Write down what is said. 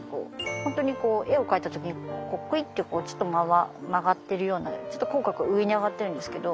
ホントに絵を描いた時にくいってちょっと曲がってるようなちょっと口角上に上がっているんですけど。